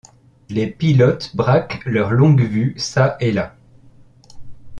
Les pilotes braquent leurs longues-vues çà et là.